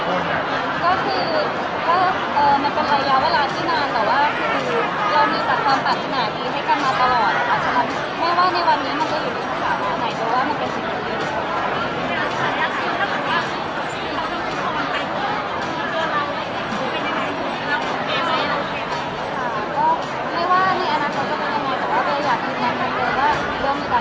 ก็คือมันเป็นระยะเวลาที่นาน